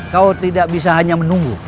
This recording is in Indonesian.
kau tidak bisa hanya menunggu